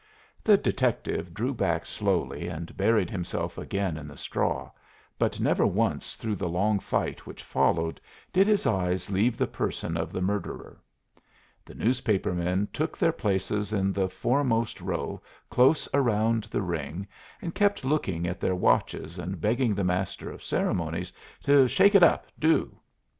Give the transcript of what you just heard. The detective drew back slowly and buried himself again in the straw, but never once through the long fight which followed did his eyes leave the person of the murderer. The newspaper men took their places in the foremost row close around the ring, and kept looking at their watches and begging the master of ceremonies to "shake it up, do."